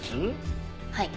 はい。